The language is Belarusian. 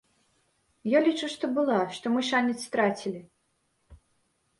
Я лічу, што была, што мы шанец страцілі.